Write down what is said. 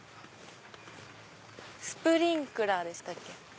スプリンクラーでしたっけ。